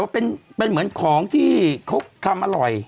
เป็นเหมือนของที่เขาทำอร่อย